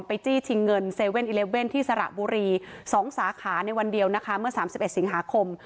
จี้ชิงเงิน๗๑๑ที่สระบุรี๒สาขาในวันเดียวนะคะเมื่อ๓๑สิงหาคม